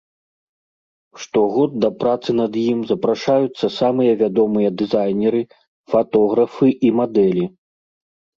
Штогод да працы над ім запрашаюцца самыя вядомыя дызайнеры, фатографы і мадэлі.